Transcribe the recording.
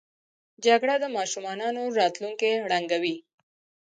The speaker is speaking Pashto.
جګړه د ماشومانو راتلونکی ړنګوي